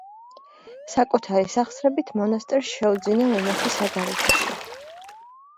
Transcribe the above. საკუთარი სახსრებით მონასტერს შეუძინა ვენახი საგარეჯოში.